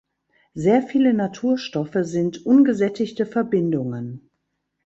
Sehr viele Naturstoffe sind ungesättigte Verbindungen.